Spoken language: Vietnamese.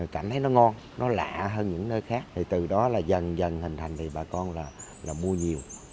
cảm thấy nó ngon nó lạ hơn những nơi khác thì từ đó là dần dần hình thành thì bà con là mua nhiều